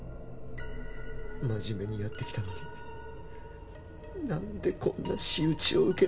真面目にやってきたのに何でこんな仕打ちを受けなきゃいけないんだ。